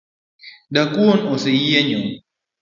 Dakwuon oseyienyo